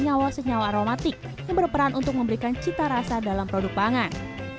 ini adalah senyawa senyawa aromatik yang berperan untuk memberikan cita rasa dalam produk pangan